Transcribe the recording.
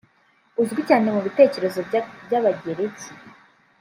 uzwi cyane mu bitekerezo by’Abagereki